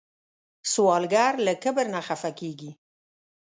سوالګر له کبر نه خفه کېږي